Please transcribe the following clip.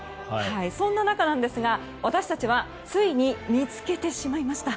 そんな中ですが私たちはついに見つけてしまいました。